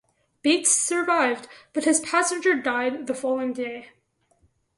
Bates survived, but his passenger died the following day.